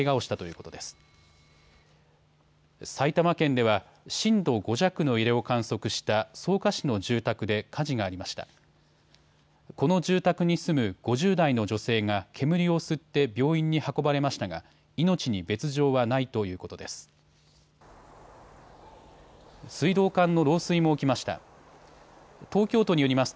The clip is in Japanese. この住宅に住む５０代の女性が煙を吸って病院に運ばれましたが命に別状はないということです。